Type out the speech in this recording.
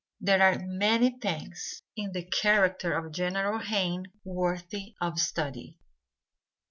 There are many things in the character of General Hayne worthy of study.